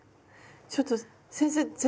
ちょっと先生全然。